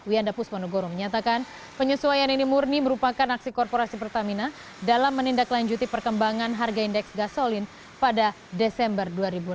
wianda pusponegoro menyatakan penyesuaian ini murni merupakan aksi korporasi pertamina dalam menindaklanjuti perkembangan harga indeks gasolin pada desember dua ribu enam belas